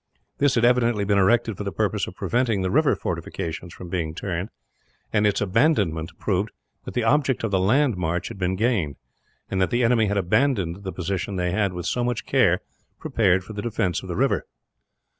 This had evidently been erected for the purpose of preventing the river fortifications from being turned, and its abandonment proved that the object of the land march had been gained; and that the enemy had abandoned the positions they had, with so much care, prepared for the defence of the river.